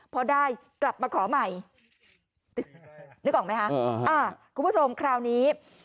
พอได้กลับมาขอใหม่นึกออกไหมคะคุณผู้ชมคราวนี้